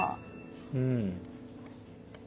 うん。